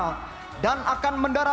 dan kemudian kita akan mencari